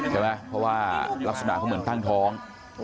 ใช่ไหมเพราะว่ารักษณะเขาเหมือนตั้งท้อง